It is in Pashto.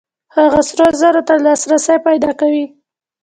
هغه سرو زرو ته لاسرسی پیدا کوي.